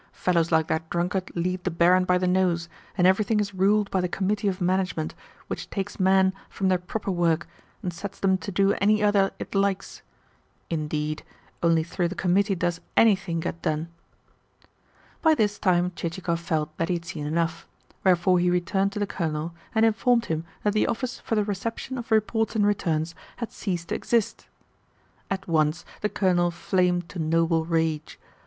Fellows like that drunkard lead the barin by the nose, and everything is ruled by the Committee of Management, which takes men from their proper work, and sets them to do any other it likes. Indeed, only through the Committee does ANYTHING get done." By this time Chichikov felt that he had seen enough; wherefore he returned to the Colonel, and informed him that the Office for the Reception of Reports and Returns had ceased to exist. At once the Colonel flamed to noble rage.